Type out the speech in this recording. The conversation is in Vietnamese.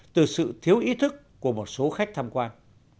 từ sự thiếu ý thức của một số khách tham quan